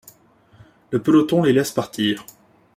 Le peloton les laisse partir.